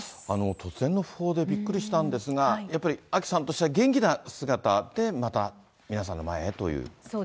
突然の訃報でびっくりしたんですが、やっぱりあきさんとしては元気な姿でまた皆さんの前へという。